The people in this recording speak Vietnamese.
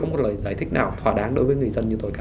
không có lời giải thích nào thỏa đáng đối với người dân như tôi cả